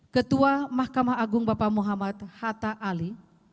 ketua mahkamah agung bapak muhammad hatta ali